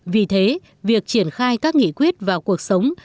vì thế việc triển khai các nghị quyết vào cuộc sống